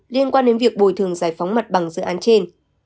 liên quan đến việc bồi thường giải phóng mặt bằng dự án trên